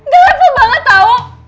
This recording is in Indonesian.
gak apa apa banget tau